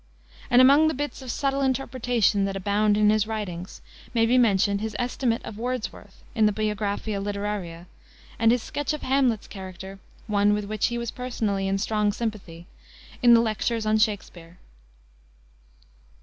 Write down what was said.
And among the bits of subtle interpretation, that abound in his writings, may be mentioned his estimate of Wordsworth, in the Biographia Literaria, and his sketch of Hamlet's character one with which he was personally in strong sympathy in the Lectures on Shakspere.